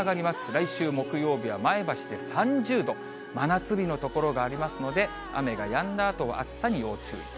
来週木曜日は前橋で３０度、真夏日の所がありますので、雨がやんだあとは暑さに要注意。